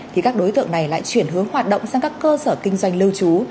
thì các đối tượng này lại chuyển hướng hoạt động sang các cơ sở kinh doanh lưu trú